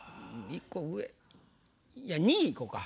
１個上いや２位いこか。